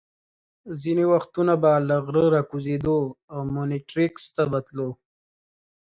ځینې وختونه به له غره را کوزېدو او مونیټریکس ته به تللو.